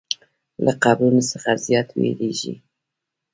له قبرونو څخه زیات ویریږي.